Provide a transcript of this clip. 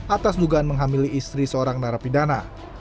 atas dugaan menghamili istri seorang narapidana